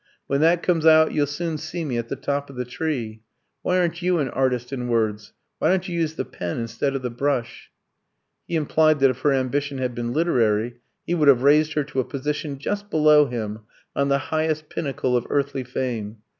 When that comes out you'll soon see me at the top of the tree. Why aren't you an artist in words? Why don't you use the pen instead of the brush?" He implied that if her ambition had been literary he would have raised her to a position just below him, on the highest pinnacle of earthly fame.